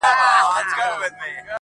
خو ذهنونه نه ارامېږي هېڅکله,